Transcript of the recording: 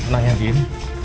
silahkan ya gin